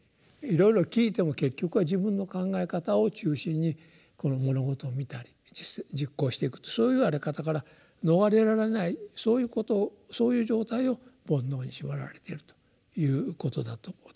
いろいろ聞いても結局は自分の考え方を中心に物事を見たり実行していくとそういうあり方から逃れられないそういう状態を「煩悩」に縛られているということだと私は思います。